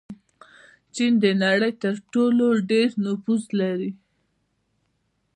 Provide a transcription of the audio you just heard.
چین د نړۍ تر ټولو ډېر نفوس لري.